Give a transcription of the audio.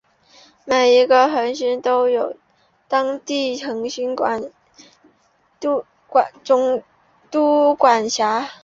每一个行星都由当地的行星总督管辖。